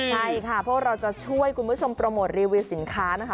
ใช่ค่ะพวกเราจะช่วยคุณผู้ชมโปรโมทรีวิวสินค้านะคะ